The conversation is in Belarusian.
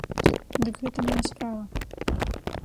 Дык гэта мая справа!